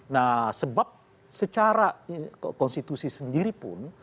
nah sebab secara konstitusi sendiri pun